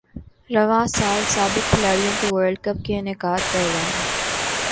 رواں سال سابق کھلاڑیوں کے ورلڈ کپ کے انعقاد کا اعلان